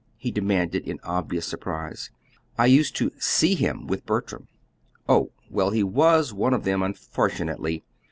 he demanded in obvious surprise. "I used to SEE him with Bertram." "Oh! Well, he WAS one of them, unfortunately.